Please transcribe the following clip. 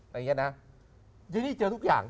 นี่ครับพวกเจอทุกอย่าง